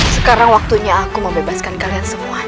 sekarang waktunya aku mau bebaskan kalian semua